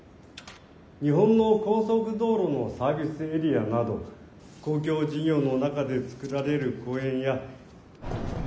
日本の高速道路のサービスエリアなど公共事業の中で造られる公園や。